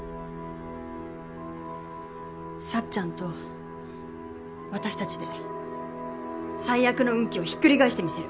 幸ちゃんと私たちで最悪の運気をひっくりがえしてみせる。